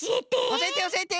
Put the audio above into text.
おしえておしえて。